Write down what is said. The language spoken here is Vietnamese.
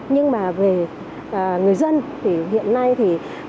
nhưng mà về người dân thì hiện nay thì